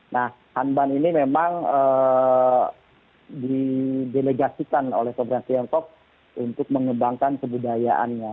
nah hanban ini memang didelegasikan oleh pemerintah tiongkok untuk mengembangkan kebudayaannya